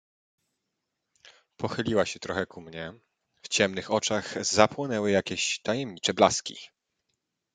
"Pochyliła się trochę ku mnie, w ciemnych oczach zapłonęły jakieś tajemnicze blaski."